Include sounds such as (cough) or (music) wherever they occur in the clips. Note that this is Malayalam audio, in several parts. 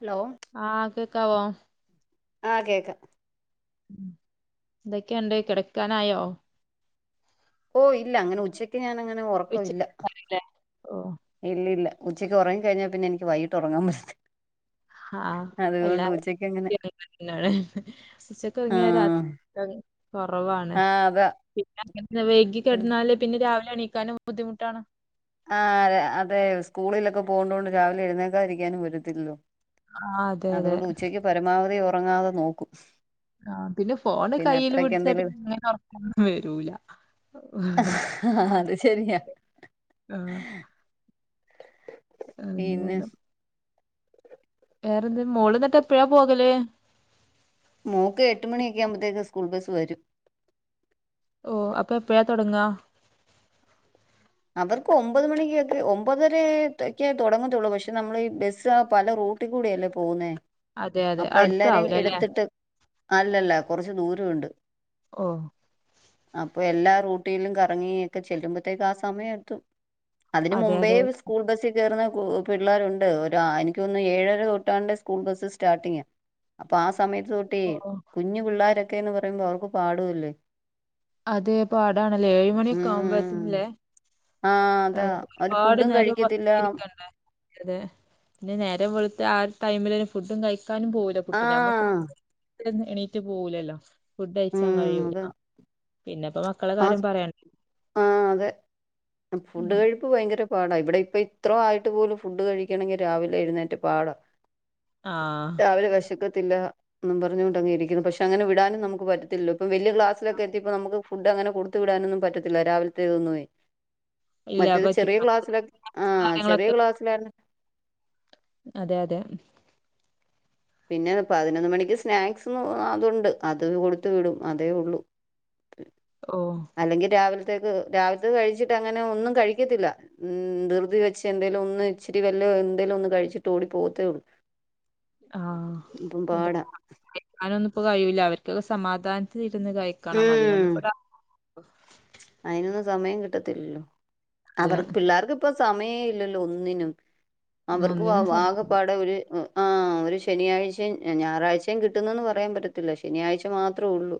ഹലോ ആ കേക്കാവോ ആ കേക്കാം എന്തോക്കെയുണ്ട് കിടക്കാനായോ ഓ ഇല്ല അങ്ങനെ ഉച്ചക്ക് ഞാൻ അങ്ങനെ ഒറക്കം ഇല്ല ഉച്ചക്കല്ലേ ഓ ഇല്ലില്ല ഉച്ചക്ക് ഒറങ്ങിക്കഴിഞ്ഞാ പിന്നെ എനിക്ക് വൈകിട്ട് ഒറങ്ങാൻ പറ്റത്തില്ല ആ അതുകൊണ്ട് എല്ലാവർ ഉച്ചയ്ക്ക് അങ്ങനെ (unintelligible) ഉച്ചക്ക് ഒറങ്ങിയ ആഹ് രാത്രി (unintelligible) കൊറവാണ് ആഹ് അതാ പിന്നെ (unintelligible) വെകി കിടന്നാല് പിന്നെ രാവിലെ എണീക്കാനും ബുദ്ധിമുട്ടാണ് ആ അതെ സ്കൂളിലൊക്കെ പോണ്ടോണ്ട് രാവിലെ എഴുന്നേക്കാതിരിക്കാനും പറ്റത്തിലല്ലോ ആഹ് അതെ അതെ അതുകൊണ്ട് ഉച്ചക്ക് പരമാവധി ഒറങ്ങാതെ നോക്കും ആ പിന്നെ ഫോണ് പിന്നെ കയ്യില് അത്രയ്ക്ക് പിടിച്ചാ എന്തേലും പിന്നെ അങ്ങനെ ഒറക്കൊന്നും വരൂലാ ആ അത് ശരിയാ ആ പിന്നെ എന്താലും വേറെന്ത് മോള് എന്നിട്ട് എപ്പഴാ പോകല് മോക്ക് എട്ട് മണിയൊക്കെ ആകുമ്പോഴത്തേക്ക് സ്കൂൾ ബസ് വരും ഓ അപ്പൊ എപ്പഴാ തുടങ്ങാ അവർക്ക് ഒമ്പത് മണികൊക്കെ ഒമ്പതരേട്ടെക്കെ തോടങ്ങത്തോള്ളൂ പഷേ നമ്മളീ ബസാ പല റൂ റൂട്ടി കൂടിയല്ലേ പോകുന്നേ അതെ അതെ അപ്പൊ എല്ലാരേം അടുത്താവൂലല്ലേ എടുത്തിട്ട് അല്ലല്ല കൊറച്ച് ദൂരോണ്ട് ഓ അപ്പൊ എല്ലാ റൂട്ടിയിലും കറങ്ങി ഒക്കെ ചെല്ലുമ്പോത്തേക്ക് ആ സമയം എത്തും അതിന് അതെ മുമ്പേ അതെ സ്കൂൾ ബസ് ചേർന്ന പിള്ളേരോണ്ട് ഒരാ ആ എനിക്കൊന്നുന്ന് ഏഴര തൊട്ടാണ്ട് സ്കൂൾ ബസ്സ് സ്റ്റാർട്ടിങ് അപ്പൊ ആ സമയത്ത് തൊട്ടീ ഓ കുഞ്ഞു പിള്ളാരൊക്കേന്ന് പറയുമ്പോ അവർക്ക് പാടുവല്ലേ അതെ പാടാണല്ലേ ഏഴ് ഉം മണിയൊക്കാവുമ്പോത്തില്ലേ ആ അതാ അവര് ഒരുപാട് ഫുഡും നേരം കഴിക്കത്തില്ല ബസിലിരിക്കണ്ടേ അതെ പിന്നെ നേരം വെളുത്ത ആ ടൈമില് ഫുഡും കഴിക്കാനും പോവൂല ആ കുട്ടി ഞമ്മക്ക് എണീറ്റ് പോവൂലല്ല ഫുഡ് കഴിച്ചാൻ ഉം കഴിയൂല അതാ പിന്നെപ്പോ മക്കളെ ആ കാര്യം സ്- പറയ ആ അതെ ഫുഡ് കഴിപ്പ് ഭയങ്കര പാടാ ഇവിടെ ഇപ്പ ഇത്ര ആയിട്ട് പോലും ഫുഡ് കഴിക്കണെങ്കിൽ രാവിലെ എഴുന്നേറ്റ് പാടാ ആഹ് രാവിലെ വെശക്കത്തില്ല പറഞ്ഞോണ്ടങ്ങിരിക്കുന്നു പക്ഷെ അങ്ങനെ വിടാനും നമുക്ക് പറ്റത്തില്ലല്ലോ ഇപ്പ വല്യ ക്ലാസിലൊക്കെ എത്തിപ്പ നമുക്ക് ഫുഡ് അങ്ങിനെ കൊടുത്തു വിടാനൊന്നും പറ്റത്തി ഇല്ല രാവിലത്തെ ഒന്നുമേ ഇല്ല മറ്റേത് ചെറിയ പറ്റൂല ക്ലാസ്സിലോക്കെ ആ ചെറിയ കാര്യങ്ങളൊക്കെ ക്ലാസിലാ അതെ അതെ പിന്നെ പതിനൊന്ന് മണിക്ക് സ്നാക്സൊന്ന് ആ ആ അതോണ്ട് അത് കൊടുത്തു വിടും അതേ ഒള്ളു ഓ അല്ലെങ്കിൽ രാവിൽ (unintelligible) രാവിലത്തത് കഴിച്ചിട്ട് അങ്ങനെ ഒന്നും കഴിക്കത്തില്ല ഉം ധൃതി വെച്ച് എന്തേലും ഒന്ന് ഇച്ചിരി വല്ല എന്തേലും ഒന്ന് കഴിച്ചിട്ട് ഓടി പോവത്തേ ഒള്ളൂ ആ അതെ (unintelligible) അതൊന്നും ഇപ്പോ കഴിയൂല്ല അവർക്ക് സമാധാനത്തി പിന്നെ കയിക്കണം അതിനൊന്നും ഉം ഇപ്പട ട്ടത്തില്ലല്ലോ അവർ പിള്ളേർക്കിപ്പോ സമയേ ഇല്ലല്ലോ ഒന്നിനും അവർക്കും ആ ഒന്നിനും സമ്മ- ആകപ്പാടെ ഒരു ആ ഒരു ശനിയാഴ്ച്ചയും ഞായറാഴ്ച്ചയും കിട്ടുന്നൂന്ന് പറയാൻ പറ്റത്തില്ല ശനിയാഴ്ച്ച മാത്രേ ഒള്ളൂ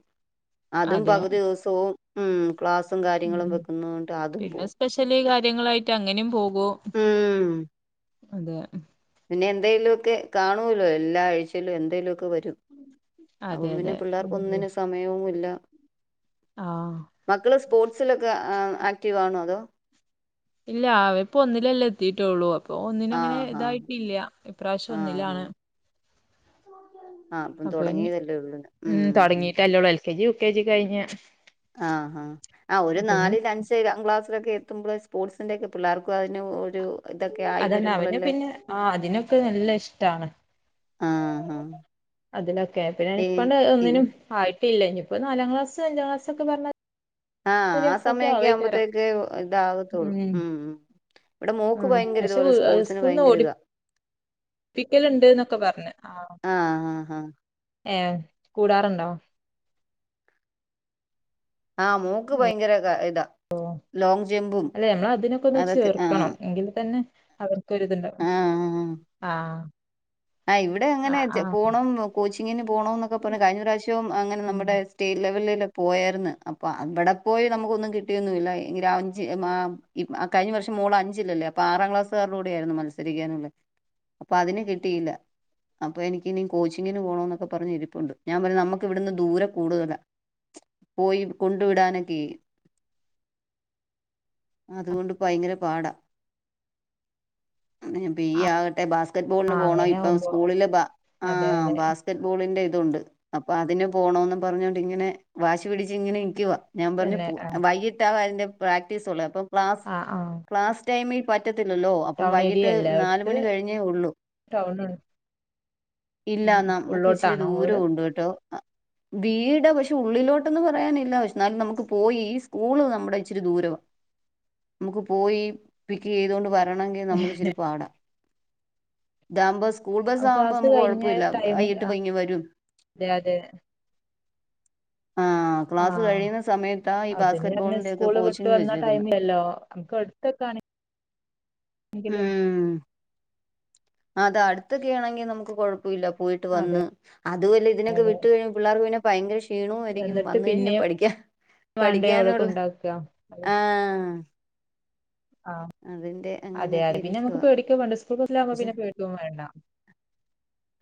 അതും അതെ പകുതി ദിവസവും ഉം ക്ലാസ്സും കാര്യങ്ങളും ഉം വെക്കുന്നോണ്ട് അതും പോവും ങ്ങളായിട്ട് അങ്ങനെയും പോകും ഉം അതെ പിന്നെ എന്തേലുംഒക്കെ കാണൂല്ലേ എല്ലാ ആഴ്ചയിലും എന്തേലും ഒക്കെ വ മ് അപ്പൊ അതെ പിന്നെ അതെ പിള്ളേർക്ക് എന്തെങ്കിലും ഒന്നിനും സമയവും ഇല്ല ആഹ് മക്കള് സ്പോർട്സിലൊക്കെ ആക്റ്റീവ ആണോ അതോ ഇല്ല അവപ്പോ ഒന്നിലല്ലാം എത്തിട്ടേള്ളൂ ഇപ്പൊ ഒന്നിനും ആ അങ്ങനെ ഹാ ഇതായിട്ടില്ല ഇപ്രാവശ്യം ആ ഹാ ഒന്നിലാണ് ആ അപ്പം അപ്പൊ ഇനി തുടങ്ങിയതല്ലേ ഉള്ളൂ ഉം തുടങ്ങിട്ടല്ലേള്ളൂ L K G U K G കഴിഞ്ഞ ആ ആഹ ആ ഒരു നാലില് അഞ്ച് ക്ലാസ് ഒക്കെ എത്തുമ്പോൾ സ്പോർട്സിൻ്റെ ഒക്കെ പിള്ളേർക്കും അതിന് ഒരു ഇതൊക്കെ ആയി അതന്നെ അവന് വരുമ്പോളല്ലേ പിന്നെ ആ അതിനൊക്കെ നല്ല ഇഷ്ടമാണ് ആഹ ആഹ അതിലൊക്കെ പിന്നെ ഇപ്പൊണ്ട് ഒന്നിനും ആയിട്ടില്ല ഇനിപ്പോ നാലാം ക്ലാസ് അഞ്ചാം ക്ലാസ്സ ഒക്കെ പറഞ്ഞ ആഹ ഒരു ആ അത്രൊക്കെ സമയൊക്കെ ആവേക്കാരം ആവുമ്പോത്തേക്ക് ഇതാകത്തുള്ളൂ ഉം ഇവിടെ മോക്ക് ആഹ് ഭയങ്കര പക്ഷെ ഇത സ്പോർട്സിന് ഭയങ്കര ഇതാ പിക്കലുണ്ട് എന്നൊക്കെ പറഞ്ഞു ആ ആഹ് ആഹ് ആഹ് ഏ കൂടാറുണ്ട് ആ ആഹ് മോൾക്ക് ഭയങ്കര ഇതാ ലോങ് ജമ്പും അല്ലെ നമ്മള അതിനൊക്കെ ഒന്ന് അതൊക്കെ ചേർക്കണം ആഹ് എങ്കിൽ തന്നെ അവർക്കൊരിതുണ്ട ആഹ് ആഹ ആഹ് ഇവിടെ എങ്ങനെ പോണം കോച്ചിങ്ങിന് പോണം എന്നൊക്കെ പറഞ്ഞു കഴിഞ്ഞ പ്രാവശ്യ ഏറ്റവും അങ്ങനെ നമ്മുടെ സ്റ്റേറ്റ് ലെവലില പോയാരുന്നു അപ്പൊ അവിടെ പോയി നമുക്കൊന്നും കിട്ടിയൊന്നുംല്ല അഞ്ച് കഴിഞ്ഞ വർഷം മോൾ അഞ്ചില്ലല്ലേ അപ്പൊ ആറാം ക്ലാസ്സുകാടെ കൂടെ ആയിരുന്നു മത്സരിക്കാനല്ലേ അപ്പൊ അതിന് കിട്ടിയില്ല അപ്പൊ എനിക്കിനി കോച്ചിങ്ങിന് പോണോ എന്നൊക്കെ പറഞ്ഞ ഇരിപ്പുണ്ട് ഞാൻ പറഞ്ഞ നമുക്ക് ഇവിടുന്ന് ദൂരം കൂടുതലാ പോയി കൊണ്ടു വിടാനൊക്കെ അതുകൊണ്ട് ഭയങ്കര പാടാ അപ്പ ഈ ആകട്ടെ ആഹ് ബാസ്ക്കറ്റ്ബോള അങ്ങനെ ഇ ആവുമ്പോ സ്കൂളിൽ അതെ അതെ ബാസ്കറ്റ് ബോളി ണ്ട് അപ്പൊ അതിന് പോണോന്ന് പർഞ്ഞോണ്ട് ഇങ്ങനെ വാശി പിടിച്ച് ഇങ്ങനെ നിക്കുവ. ഞാൻ പർഞ്ഞു തന്നെ ആഹ് വൈകിട്ടാ അന്റെ പ്രാക്ടീസുള്ള അപ്പം ക്ലാസ് ആഹ് ആഹ് ക്ലാസ് ടൈമിൽ പറ്റത്തില്ലല്ലോ അപ്പം ടൗൺ ഏരിയ വൈകിട്ട് അല്ലേ നാല് അടുത്ത് മണി കഴിഞ്ഞേ ഉള്ളൂ. ടൗൺ ഉം ഇല്ല നമുക്ക് ഇച്ചിരി ഉള്ളോട്ടാണോ ദൂരം വീട്? ഉണ്ട് കെട്ടോ. വീടാ പശേ ഉള്ളിലോട്ടൊന്ന് പറയാനില്ല. പശ് ന്നാലും നമുക്ക് പോയി സ്കൂള് നമ്മുടെ ഇച്ചിരി ദൂരവാ. നമുക്ക് പോയി പിക്കെയ്തോണ്ട് വരണങ്കി നമുക്കിച്ചിരിപ്പാടാ. കാംബസ് സ്കൂൾ ആ, ബസ്സാവുമ്പോ ക്ലാസ് നമുക്ക് കഴിഞ്ഞ കൊഴപ്പമില്ല. ടൈമിൽ അയ്യട്ട് വ ആഹ് ഇങ്ങ വരും. അതെ അതെ ആഹ് അ ക്ലാസ് ആഹ് കഴിയുന്ന സമയത്താ ഈ അതിന് പറഞ്ഞ് ബാസ്കറ്റ്ബോളിന്റെയൊക്കെ സ്കൂള് വിട്ട് കോച്ചിങ് വന്ന വെച്ചക്കുന്നെ (inaudible) ടൈമിലല്ലോ എങ്കില് അതാ ടുത്തൊക്കെയാണെങ്കി നമുക്ക് കൊഴ പ്പൊയില്ല പോയിട്ട് അതെ വന്ന് അതു അല്ല ഇതിനൊക്കെ വിട്ട് കഴിഞ്ഞ പിള്ളാർക്ക് പിന്നെ ഭയങ്കര ഷ് ക്ഷീണോയിരിക്കും വന്നിട്ട് വന്ന് കഴിഞ്ഞ പിന്നെയും പഠിക്കാ വേണ്ടേ അവിടെ പഠിക്കാനുള്ള കൊണ്ടാക്ക ആ ആ അതിന്റെ അതെ അങ്ങനെയൊക്കെ അത് പിന്നെ നമുക്ക് ഇരിക്കുവാ പേടിക്കുവേണ്ട സ്കൂൾബസ്സിലവുമ്പോ പക്ഷെ പിന്നെ പേടിക്കൂ വേണ്ട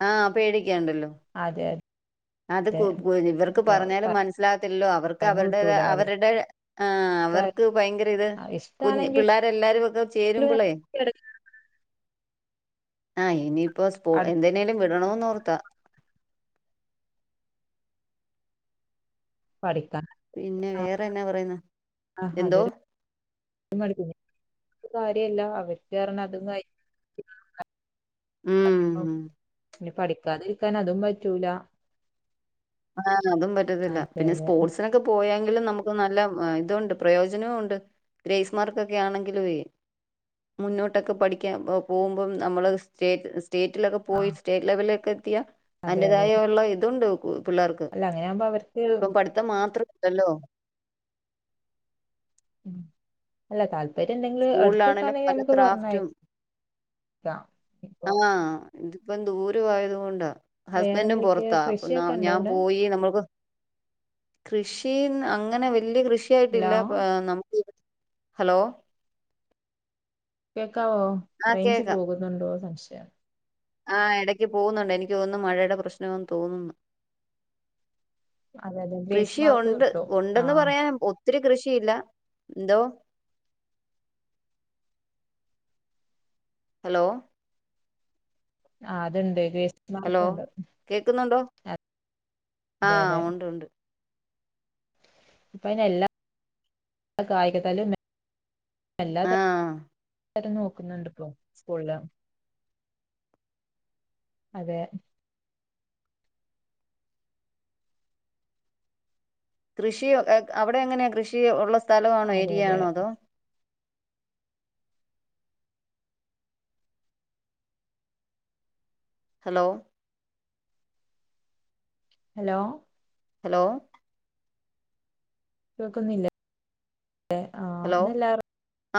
ആ പേടിക്കേണ്ടല്ലോ അതെ അതെ അത്കു പു ഇവർക്ക് അപ്പൊ പറഞ്ഞാലും മനസ്സിലാകത്തില്ലല്ലോ അവർക്ക് ടൈം അവരുടതാ കിട്ടൂല അവരുടെ ആ അവർക്ക് ഭയങ്കര ഇത് കുഞ് ഇഷ്ടാണെങ്കിലും പിള്ളേരെല്ലാരും ഒക്കെ ചേരുമ്പളേ ആ ഇനീ പ്പൊ സ്കൂ അടുത്ത് എന്ത്? ഏലും വിടണോർ ത്താ ന്ന് പഠിക്കാ പിന്നെ അ വേറെന്നാ പറയുന്നെ അ എന്തോ അതൊരു (unintelligible) കാര്യല്ല അവര്ക്ക് അറഞ്ഞതും ക ഉം ഞ്ഞി പഠിക്കാതിരിക്കാൻ അതും പറ്റൂല ആ അതും പറ്റത്തില്ല അതെ പിന്നെ അതെ സ്പോർട്സിനൊക്കെ പോയാ യല് നമുക്ക് നല്ല ഇതുണ്ട് പ്രയോജനോണ്ട് ഗ്രേസ്മാർക്കൊക്കെ ആണെങ്കിലോയ്‌ മുന്നോട്ടൊക്കെ പഠിക്കാൻ പോകുമ്പോ നമ്മള് സ്റ്റേറ്റ്സ് റ്റെറ്റിലൊക്കെ ആ പോയി സ്റ്റേറ്റ് ലെവലിലൊക്കെത്തിയ അതെ അതെ അയിന്റെതായ ഒള്ള ഇതുണ്ട് കു പിള്ളേർക്ക് അല്ല അങ്ങനെയാകുമ്പോ അവർക്ക് ഇപ്പം പഠിത്തം മാത്രം അല്ലല്ലോ ഉം അല്ല താൽ പര്യണ്ടെങ്കില് സ്കൂളിലാണെലും അടുത്തക്കാണെങ്കി പല ഞമ്മക്ക് പറഞ്ഞയ ക്രാഫ്റ്റും ക്കാം ഇപ്പൊ ആഹ് ഇതിപ്പം ദൂരൊ ആയത്കൊണ്ട ഹസ്ബൻഡും വേറെന്തൊക്കെയ പൊറത്ത അപ്പൊന്നാ കൃഷിയൊക്കെ ഉണ്ടോ ഞാൻ അവിടെ പോയി നമ്മുക്ക് കൃഷി ന്ന് അങ്ങനെ വല്ല്യ ഹലോ കൃഷിയായിട്ടില്ല നമുക്ക് ഹലോ കേക്കാവോ ആഹ് റേയ്ഞ്ച് കേക്കാം. പോകുന്നുണ്ടോ സംശയം ആഹ് എടക്ക് പോകുന്നുണ്ട് എനിക്ക് തോന്നുന്നു. മഴയുടെ പ്രശ്നവാന്ന് തോന്ന്ന്നു അതെ അതെ ഗ്രേസ് കൃഷി മാർക്ക് ഉണ്ട് കിട്ടും ആ ഉണ്ടെന്ന് പറയാൻ ഒത്ത് ഒത്തിരി കൃഷിയില്ല എന്തോ ഹലോ ആ അത് ഇണ്ട് ഹലോ കേക്കുന്നുണ്ടോ അതെ അതെ ആഹ് ഒണ്ട് ഉണ്ട് ഇപ്പ അയ്ന് എല്ലാ കായിക തലും (unintelligible) എല്ലാം ആഹ് തരം (unintelligible) നോക്കുന്ന്ണ്ട് ഇപ്പോ സ്കൂളിലം അതെ കൃഷി അവിടെ എങ്ങനെ കൃഷി ഉള്ള സ്ഥലവാണോ അതെ ഏരിയ അതെ ആണോ അതോ ഹലോ ഹലോ ഹെലോ കേക്കുന്നില്ലെ അ ആഹ ഹലോ ഇതെല്ലാ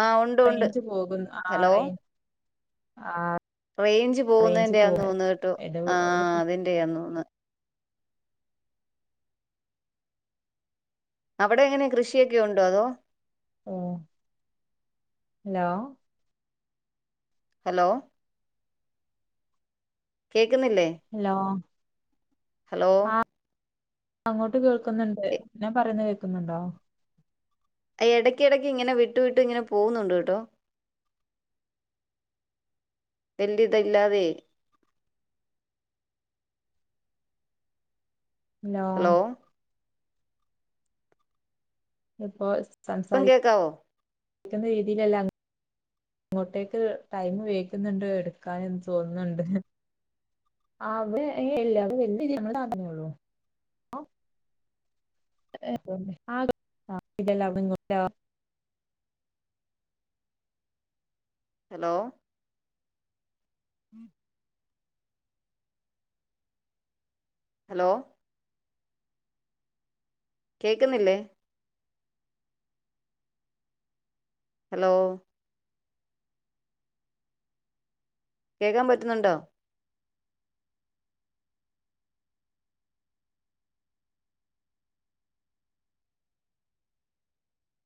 ആഹ് ഉണ്ട് ഉണ്ട്. റേഞ്ച് പോകുന്നു ആ ഹലോ റേഞ്ച് ആഹ റേഞ്ച് പോകുന്നതിന്റെയാ തോന്നു കേട്ടോ ഇത് ആ ഒരു അതിന്റെയാ തോന്നു അവിടെ എങ്ങനെ കൃഷിയൊക്കെ ഉണ്ടോ അതോ ഓ ഹലോ ഹലോ കേക്കുന്നില്ലേ ഹലോ ഹലോ അങ്ങോട്ട് കേൾക്കുന്നുണ്ട് ഞാൻ പറയുന്നു കേക്കുന്നുണ്ടോ ഇടയ്ക്ക് ഇടക്ക് ഇങ്ങനെ വിട്ടു വിട്ടു ഇങ്ങനെ പോകുന്നുണ്ട് കേട്ടോ എല്ലതല്ലാത (unintelligible) ഹലോ ഇപ്പ ഇപ്പം കേക്കാവോ കളിക്കുന്ന (unintelligible) രീതിയിലല്ലാം ഇങ്ങോട്ടേക്ക് ടൈം വൈക്കുന്നുണ്ട് എടുക്കാനന്ന് (unintelligible) തോന്നുന്നുണ്ട് അവ ല്ല (unintelligible) അവ വല വി ഞങ്ങൾ പറഞ്ഞേള്ളു ആ ഇ (unintelligible) (unintelligible) ഹലോ (inaudible) ഹലോ കേക്കുന്നില്ലേ ഹലോ കേക്കാൻ പറ്റുന്നുണ്ടോ